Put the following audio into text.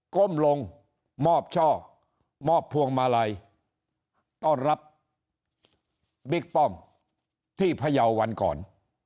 ก้มลงมอบช่อมอบพวงมาลัยต้อนรับบิ๊กป้อมที่พยาววันก่อน